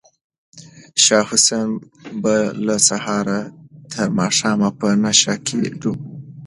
شاه حسین به له سهاره تر ماښامه په نشه کې ډوب و.